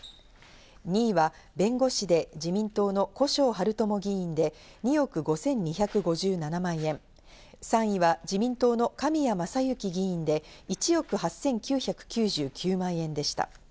２位は弁護士で自民党の古庄玄知議員で２億５２５７万円、３位は自民党の神谷政幸議員で１億８９９９万円でした。